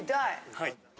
はい。